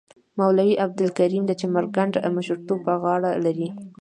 مولوی عبدالکریم د چمرکنډ مشرتوب پر غاړه لري.